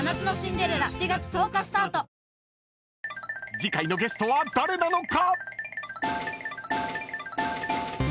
［次回のゲストは誰なのか⁉］